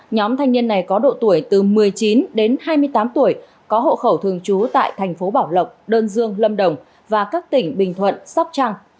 nhóm thanh niên này có độ tuổi từ một mươi chín đến hai mươi tám tuổi có hộ khẩu thường trú tại thành phố bảo lộc đơn dương lâm đồng và các tỉnh bình thuận sóc trăng